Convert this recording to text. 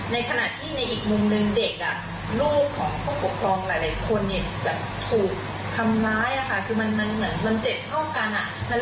ในขณะที่ในอีกมุมนึงเด็กอ่ะรูปของผู้ปกครองหลายคนเนี่ย